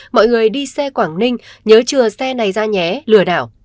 mọi người đi xe quảng ninh nhớ chừa xe này ra nhé lừa đảo